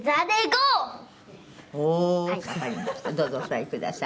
どうぞお座りください」